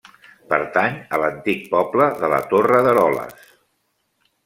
Pertany a l'antic poble de la Torre d'Eroles.